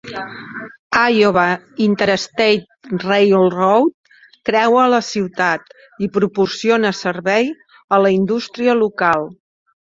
Iowa Interstate Railroad creua la ciutat i proporciona servei a la indústria local.